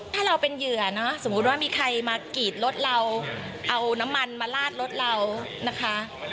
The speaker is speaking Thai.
ถ้าเราเป็นเหยื่อเนอะสมมุติว่ามีใครมากรีดรถเราเอาน้ำมันมาลาดรถเรานะคะ